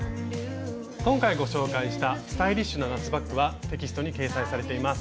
今回ご紹介したスタイリッシュな夏バッグはテキストに掲載されています。